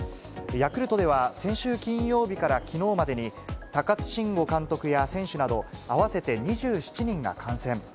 ヤクルトでは、先週金曜日からきのうまでに、高津臣吾監督や選手など、合わせて２７人が感染。